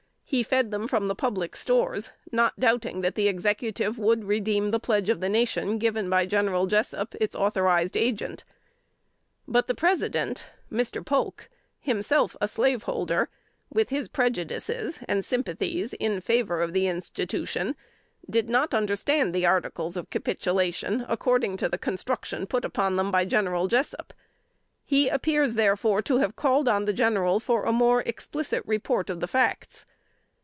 He fed them from the public stores, not doubting that the Executive would redeem the pledge of the nation given by General Jessup, its authorized agent. But the President (Mr. Polk) himself a slaveholder, with his prejudices and sympathies in favor of the institution, did not understand the articles of capitulation according to the construction put upon them by General Jessup; he appears, therefore, to have called on the General for a more explicit report of facts.